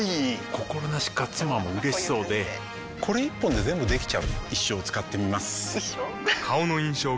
心なしか妻も嬉しそうでこれ一本で全部できちゃう一生使ってみます一生？